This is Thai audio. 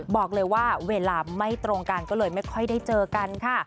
บอกเลยว่าเวลาไม่ตรงกันก็เลยไม่ค่อยได้เจอกันค่ะ